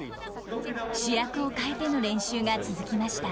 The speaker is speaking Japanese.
主役を替えての練習が続きました。